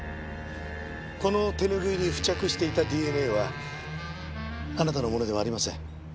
この手拭いに付着していたＤＮＡはあなたのものではありません。